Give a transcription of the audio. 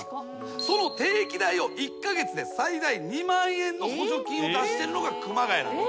その定期代を１カ月で最大２万円の補助金を出してるのが熊谷なんです。